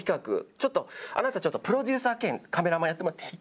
ちょっとあなたちょっとプロデューサー兼カメラマンやってもらっていい？